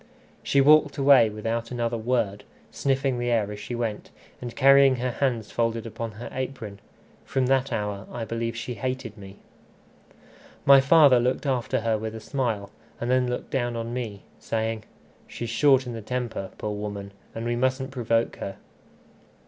She walked away without another word, sniffing the air as she went, and carrying her hands folded under her apron. From that hour I believe she hated me. My father looked after her with a smile, and then looked down on me, saying "She's short in the temper, poor woman! and we mustn't provoke her."